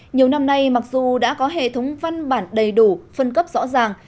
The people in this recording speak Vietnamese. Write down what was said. nhiều năm nay mặc dù đã có hệ thống văn bản đầy đủ phân cấp rõ ràng